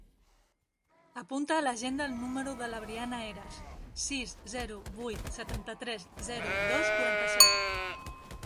Apunta a l'agenda el número de la Briana Heras: sis, zero, vuit, setanta-tres, zero, dos, quaranta-set.